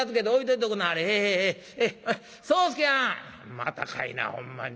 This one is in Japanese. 「またかいなほんまに。